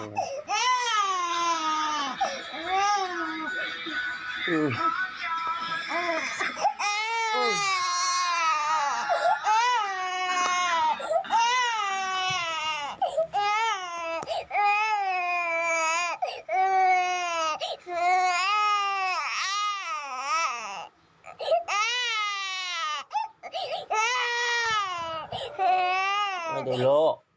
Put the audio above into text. ไว้เดี๋ยวละ